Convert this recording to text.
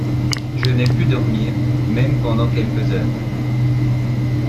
Je n’ai pu dormir même pendant quelques heures.